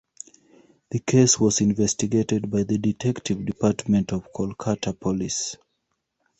The case was investigated by the Detective Department of Kolkata Police.